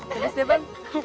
terus deh bang